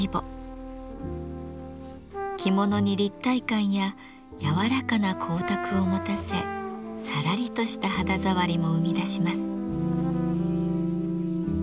着物に立体感や柔らかな光沢を持たせさらりとした肌触りも生み出します。